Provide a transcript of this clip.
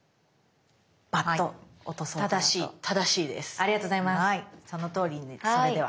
ありがとうございます。